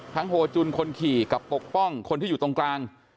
โฮจุนคนขี่กับปกป้องคนที่อยู่ตรงกลาง